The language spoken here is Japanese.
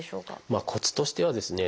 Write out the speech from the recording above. まあコツとしてはですね